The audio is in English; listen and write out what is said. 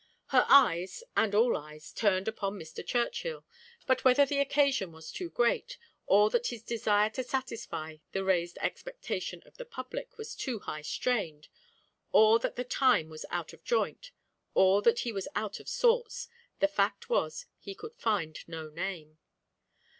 Her eyes, and all eyes, turned upon Mr. Churchill, but whether the occasion was too great, or that his desire to satisfy the raised expectation of the public was too high strained, or that the time was out of joint, or that he was out of sorts, the fact was, he could find no name.